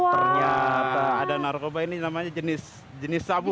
ternyata ada narkoba ini namanya jenis sabu